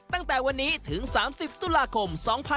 ตั้งแต่วันนี้ถึง๓๐ตุลาคม๒๕๖๒